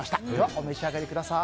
お召し上がりください。